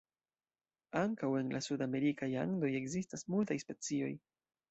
Ankaŭ en la sudamerikaj Andoj ekzistas multaj specioj.